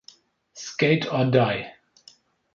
Skate or Die!